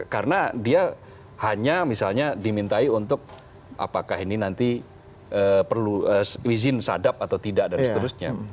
karena dia hanya misalnya dimintai untuk apakah ini nanti perlu izin sadap atau tidak dan seterusnya